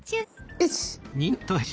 よし！